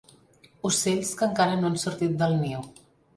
Ocells que encara no han sortit del niu.